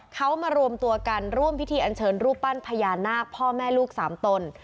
เขามารวมตัวกันร่วมพิธีอันเชิญรูปปั้นพญานาคพ่อแม่ลูกสามตน